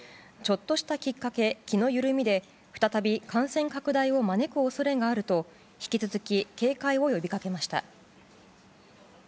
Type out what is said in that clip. ちょっとしたきっかけ気の緩みで再び感染拡大を招く恐れがあると引き続き警戒を呼びかけました。